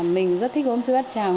mình rất thích gốm sứ bát tràng